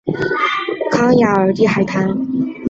康雅尔蒂海滩。